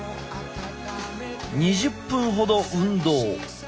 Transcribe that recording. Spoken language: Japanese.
２０分ほど運動。